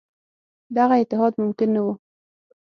دغه اتحاد ممکن نه وو.